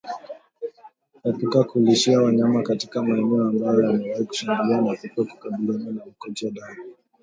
Epuka kulishia wanyama katika maeneo ambayo yamewahi kushambuliwa na kupe kukabiliana na mkojo damu